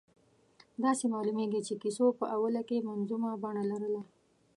داسې معلومېږي چې کیسو په اوله کې منظومه بڼه لرله.